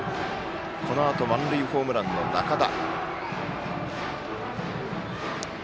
このあと、満塁ホームランの仲田。